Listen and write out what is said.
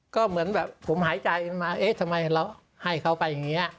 ก็เหมือนแบบผมหายใจมาเอ๊ะทำไมเราให้เขาไปอย่างนี้